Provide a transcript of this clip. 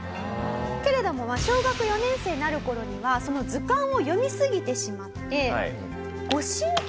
けれども小学４年生になる頃にはその図鑑を読みすぎてしまって。